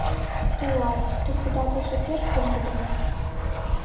— Тулар, председательже пеш пеҥгыде мо?